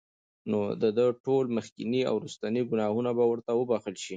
نو د ده ټول مخکيني او وروستني ګناهونه به ورته وبخښل شي